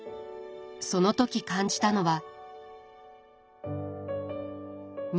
その時感じたのは。